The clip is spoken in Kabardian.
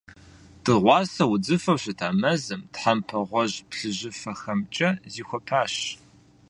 Дыгъуасэ удзыфэу щыта мэзым, тхьэмпэ гъуэжь-плъыжьыфэхэмкӏэ зихуапащ.